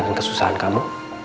dan kesusahan kamu